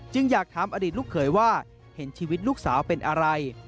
อยากถามอดีตลูกเขยว่าเห็นชีวิตลูกสาวเป็นอะไร